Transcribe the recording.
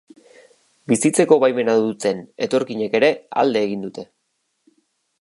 Bizitzeko baimena duten etorkinek ere alde egin dute.